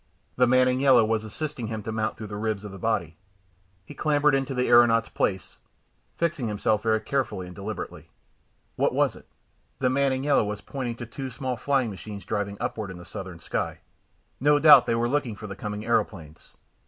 The man in yellow was assisting him to mount through the ribs of the body. He clambered into the aeronaut's place, fixing himself very carefully and deliberately. What was it? The man in yellow was pointing to two small flying machines driving upward in the southern sky. No doubt they were looking for the coming aeroplanes.